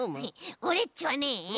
オレっちはね